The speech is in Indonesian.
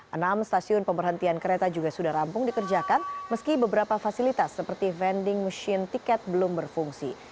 enam stasiun pemberhentian kereta juga sudah rampung dikerjakan meski beberapa fasilitas seperti vending machine tiket belum berfungsi